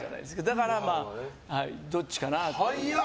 だから、どっちかなと思って。